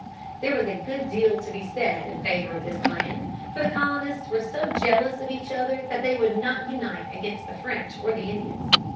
There was a good deal to be said in favor of this plan, for the colonists were so jealous of each other that they would not unite against the French or the Indians.